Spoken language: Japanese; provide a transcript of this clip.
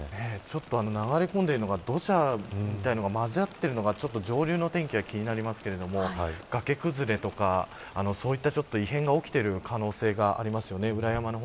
道路かもちょっと分からないですけど流れ込んでいるのが土砂みたいなのが混ざっているのが上流の天気が気になりますが崖崩れ、そういった異変が起きている可能性があります。